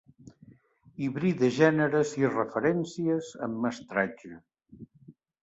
Hibrida gèneres i referències amb mestratge.